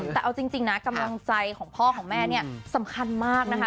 แต่เอาจริงนะกำลังใจของพ่อของแม่เนี่ยสำคัญมากนะคะ